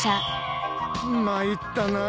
参ったなあ。